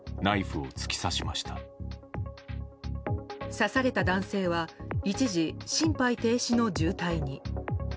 刺された男性は一時、心肺停止の重体に。